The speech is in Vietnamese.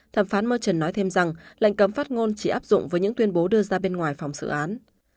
thẩm phán murchon nói thêm rằng lệnh cấm phát ngôn chỉ áp dụng với những tuyên bố đưa ra bên ngoài phòng xử án